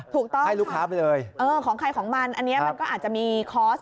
ถูกต้องค่ะของใครของมันอันนี้มันก็อาจจะมีคอร์ส